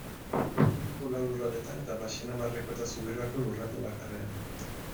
Lapurdiko lau lurraldetan, eta Baxenabarreko eta Zuberoako lurralde bakarrean.